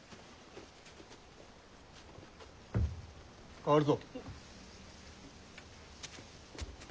代わるぞ。